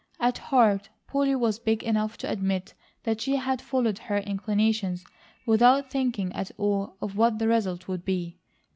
At heart Polly was big enough to admit that she had followed her inclinations without thinking at all what the result would be.